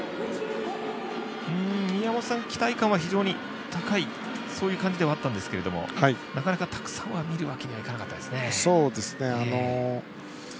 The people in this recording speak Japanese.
宮本さん、期待感は非常に高いそういう感じではあったんですけどなかなかたくさんは見るわけにはいかなかったですね。